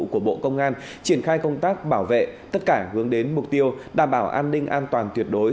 của bộ công an triển khai công tác bảo vệ tất cả hướng đến mục tiêu đảm bảo an ninh an toàn tuyệt đối